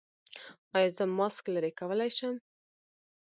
ایا زه ماسک لرې کولی شم؟